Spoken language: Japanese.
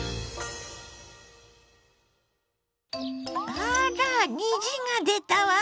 あら虹が出たわ！